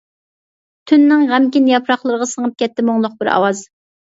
تۈننىڭ غەمكىن ياپراقلىرىغا، سىڭىپ كەتتى مۇڭلۇق بىر ئاۋاز.